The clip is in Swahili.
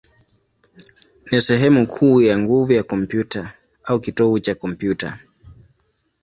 ni sehemu kuu ya nguvu ya kompyuta, au kitovu cha kompyuta.